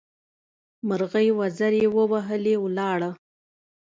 مرغۍ وزرې ووهلې؛ ولاړه.